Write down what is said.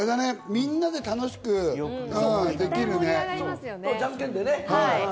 みんなで楽しくできるじゃんけんでね。